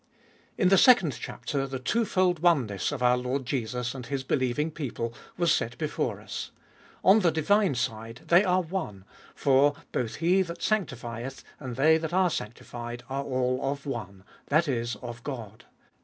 IN the second chapter the twofold oneness of our Lord Jesus and His believing people was set before us. On the divine side they are one, for both He that sanctifieth, and they that are sanctified are all of one, that is, of God.